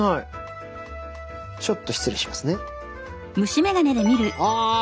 ちょっと失礼しますね。